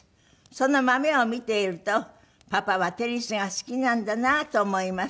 「そのまめを見ているとパパはテニスが好きなんだなと思います」